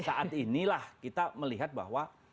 saat inilah kita melihat bahwa